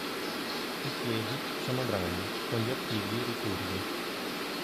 I piedi sono grandi, con gli artigli ricurvi.